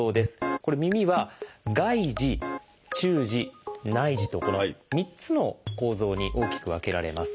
これ耳は「外耳」「中耳」「内耳」とこの３つの構造に大きく分けられます。